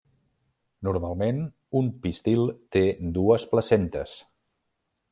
Normalment un pistil té dues placentes.